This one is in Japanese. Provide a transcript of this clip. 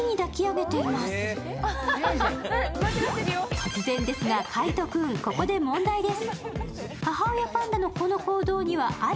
突然ですが、海音君、ここで問題です。